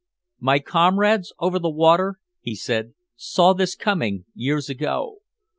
"My comrades over the water," he said, "saw this coming years ago.